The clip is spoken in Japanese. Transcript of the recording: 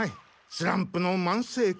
スランプのまんせい化。